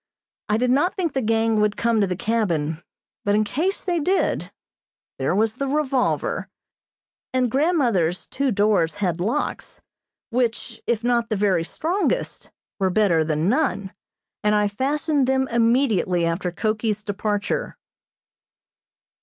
I did not think the gang would come to the cabin, but in case they did there was the revolver, and grandmother's two doors had locks, which if not the very strongest, were better than none, and I fastened them immediately after Koki's departure.